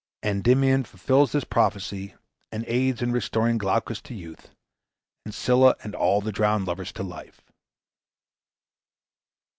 Endymion fulfils this prophecy, and aids in restoring Glaucus to youth, and Scylla and all the drowned lovers to life.